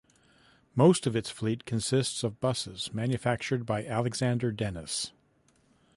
Most of its fleet consists of buses manufactured by Alexander Dennis.